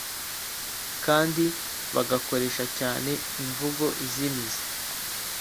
kandi bagakoresha cyane imvugo izimiza.